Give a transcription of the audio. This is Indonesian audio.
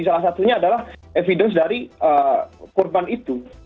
salah satunya adalah evidence dari korban itu